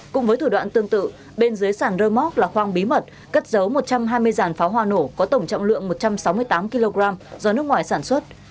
cùng với thủ đoạn tương tự bên dưới sàn rơ móc là khoang bí mật cất giấu một trăm hai mươi dàn pháo hoa nổ có tổng trọng lượng một trăm sáu mươi tám kg do nước ngoài sản xuất